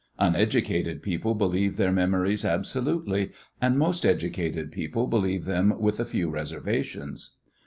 Uneducated people believe their memories absolutely, and most educated people believe them with a few reservations.